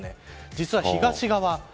実は東側。